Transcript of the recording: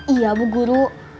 iya bu guru